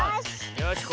よし。